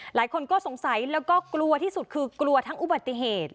หลายคนก็สงสัยแล้วก็กลัวที่สุดคือกลัวทั้งอุบัติเหตุ